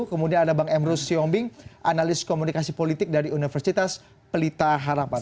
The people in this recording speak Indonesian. kemudian ada bang emrus siombing analis komunikasi politik dari universitas pelita harapan